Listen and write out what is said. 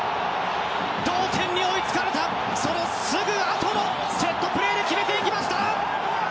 同点に追いつかれたそのすぐあとのセットプレーで決めていきました！